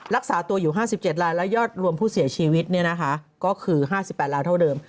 รักษาตัวอยู่๕๗ลายและยอดรวมผู้เสียชีวิตก็คือ๕๘ลายเท่าเดิม